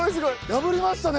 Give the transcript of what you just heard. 破りましたね！